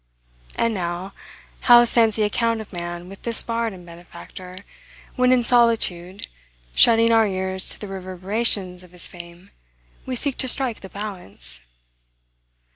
And now, how stands the account of man with this bard and benefactor, when in solitude, shutting our ears to the reverberations of his fame, we seek to strike the balance?